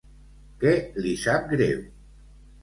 Què li sap greu?